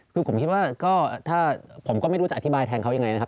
คือผมคิดว่าก็ถ้าผมก็ไม่รู้จะอธิบายแทนเขายังไงนะครับ